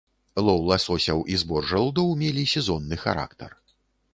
Лоў ласосяў і збор жалудоў мелі сезонны характар.